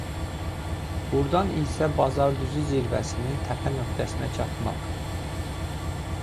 Burdan isə Bazardüzü zirvəsinin təpə nöqtəsinə çatmaq.